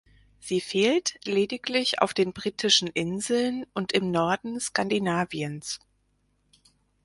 Sie fehlt lediglich auf den Britischen Inseln und im Norden Skandinaviens.